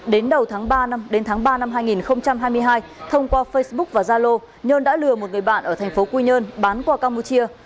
đến đầu tháng ba năm hai nghìn hai mươi hai thông qua facebook và zalo nhân đã lừa một người bạn ở tp quy nhơn bán qua campuchia